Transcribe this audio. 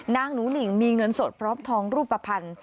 นางหนูหนิ่งมีเงินสดพร้อมทองรูปภัณฑ์